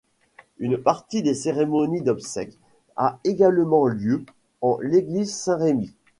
Une partie des cérémonies d'obsèques a également lieu en l'église Saint-Remi.